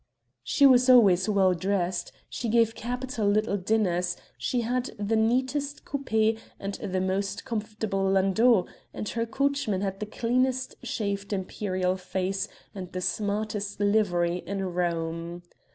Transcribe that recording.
She was always well dressed, she gave capital little dinners, she had the neatest coupé and the most comfortable landau, and her coachman had the cleanest shaved imperial face and the smartest livery in Rome.